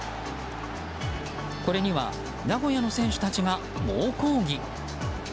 これには名古屋の選手たちが猛抗議。